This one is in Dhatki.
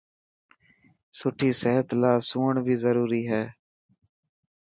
سٺي صحت لاءِ سوڻ بي ضروري هي.